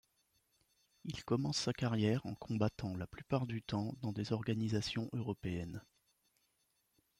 Il commence sa carrière en combattant la plupart du temps dans des organisations européennes.